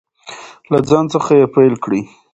له ځان څخه یې پیل کړئ.